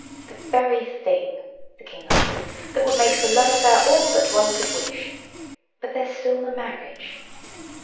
"The very thing," the King answered: "that would make the love affair all that one could wish. But there's still the marriage."